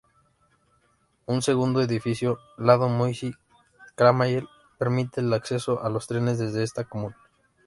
Un segundo edificio, lado Moissy-Cramayel, permite el acceso a los trenes desde esta común.